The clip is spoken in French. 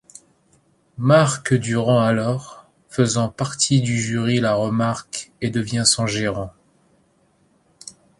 Marc Durand alors, faisant partie du jury la remarque et devient son gérant.